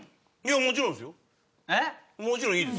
もちろんいいですよ。